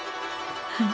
はい。